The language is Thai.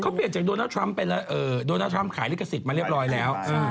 เขาเปลี่ยนจากโดนัลดทรัมป์โดนัลดทรัมป์ขายลิขสิทธิ์มาเรียบร้อยแล้ว